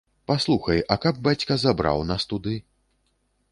Паслухай, а каб бацька забраў нас туды?